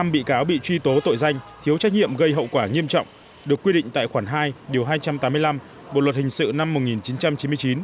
năm bị cáo bị truy tố tội danh thiếu trách nhiệm gây hậu quả nghiêm trọng được quy định tại khoản hai điều hai trăm tám mươi năm bộ luật hình sự năm một nghìn chín trăm chín mươi chín